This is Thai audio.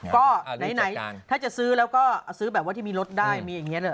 ก็ไหนถ้าจะซื้อแล้วก็ซื้อแบบว่าที่มีรถได้มีอย่างนี้ด้วย